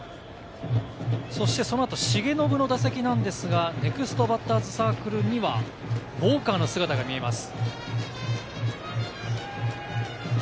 その後、重信の打席なんですが、ネクストバッターズサークルにはウォーカーの姿が見えます。